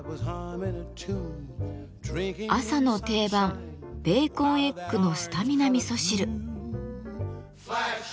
朝の定番ベーコンエッグのスタミナ味噌汁。